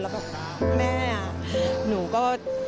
เราแบบแม่หนูก็